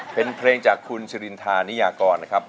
เป็นเพลงจากคุณสิรินทานิยากรนะครับ